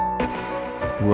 aku takut ma